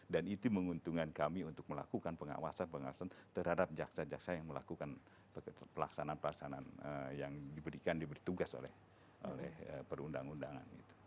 dan itu menguntungkan kami untuk melakukan pengawasan pengawasan terhadap jaksa jaksa yang melakukan pelaksanaan pelaksanaan yang diberikan diberi tugas oleh perbuatan perbuatan ini